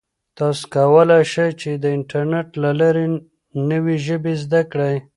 تاسو کولای شئ چې د انټرنیټ له لارې نوې ژبې زده کړئ.